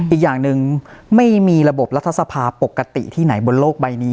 อีกอย่างหนึ่งไม่มีระบบรัฐสภาปกติที่ไหนบนโลกใบนี้